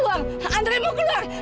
andre mau keluar